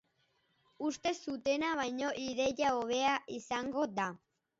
Uste zutena baino ideia hobea izango da.